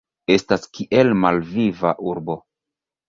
Estas kiel malviva urbo.